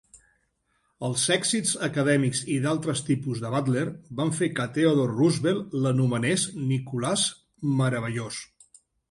Els èxits acadèmics i d'altres tipus de Butler van fer que Theodore Roosevelt l'anomenés Nicholas Meravellós.